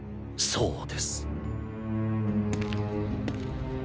そうです。